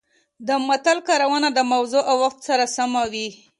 د متل کارونه د موضوع او وخت سره سمه وي